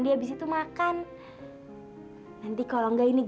aku bisa di dapat hidup jikalelenya